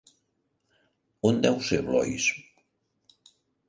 On deu ser, Blois?